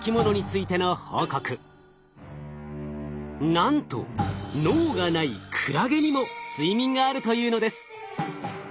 なんと脳がないクラゲにも睡眠があるというのです。